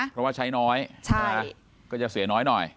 เพราะว่าใช้น้อยก็จะเสียน้อยหน่อย